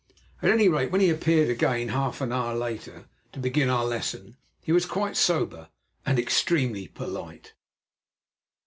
At any rate, when he appeared again, half an hour later, to begin our lesson, he was quite sober, and extremely polite.